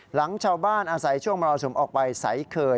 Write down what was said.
หลังชาวบ้านอาศัยช่วงมรสุมออกไปใสเคย